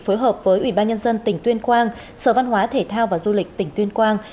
phối hợp với ủy ban nhân dân tỉnh tuyên quang sở văn hóa thể thao và du lịch tỉnh tuyên quang